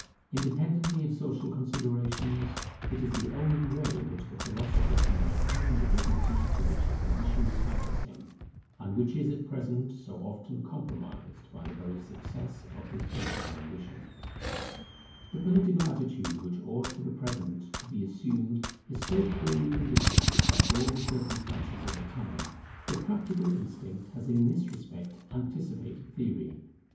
Independently of social considerations, it is the only way in which the philosopher can maintain the dignity to which his position entitles him, and which is at present so often compromised by the very success of his political ambition. [The motto of 1830, Liberty and Public Order] The political attitude which ought for the present to be assumed is so clearly indicated by all the circumstances of the time, that practical instinct has in this respect anticipated theory.